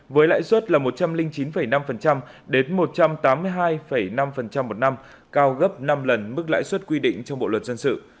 với lãi suất là một trăm linh chín năm đến một trăm tám mươi hai năm một năm cao gấp năm lần mức lãi suất quy định trong bộ luật dân sự